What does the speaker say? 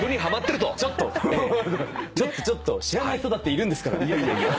ちょっとちょっとちょっと知らない人だっているんですから。